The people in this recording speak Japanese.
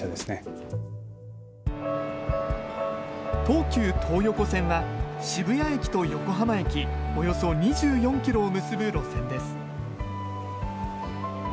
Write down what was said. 東急東横線は、渋谷駅と横浜駅およそ２４ｋｍを結ぶ路線です。